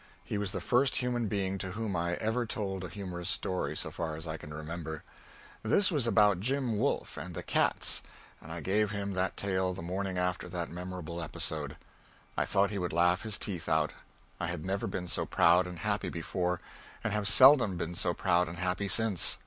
He was the first human being to whom I ever told a humorous story, so far as I can remember. This was about Jim Wolfe and the cats; and I gave him that tale the morning after that memorable episode. I thought he would laugh his teeth out. I had never been so proud and happy before, and have seldom been so proud and happy since.